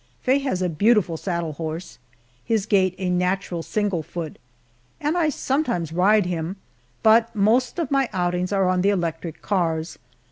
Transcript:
Faye has a beautiful saddle horse his gait a natural single foot and I sometimes ride him, but most of my outings are on the electric cars.